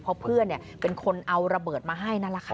เพราะเพื่อนเป็นคนเอาระเบิดมาให้นั่นแหละค่ะ